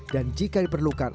dan jika diperlukan